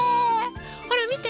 ほらみて！